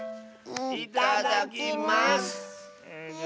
いただきます！